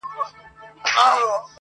مستي، مستاني، شوخي، شنګي د شرابو لوري